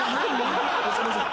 すいません。